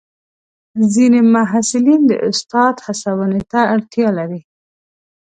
ځینې محصلین د استاد هڅونې ته اړتیا لري.